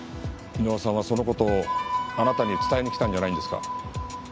箕輪さんはその事をあなたに伝えに来たんじゃないんですか？